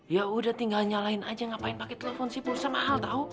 ya udah tinggal nyalain aja ngapain pake telepon sih pulsa mahal tau